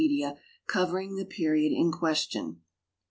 dia covering the period in question.